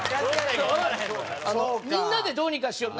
みんなでどうにかしよう。